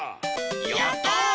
やった！